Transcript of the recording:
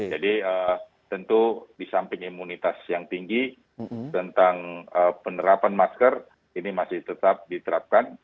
jadi tentu di samping imunitas yang tinggi tentang penerapan masker ini masih tetap diterapkan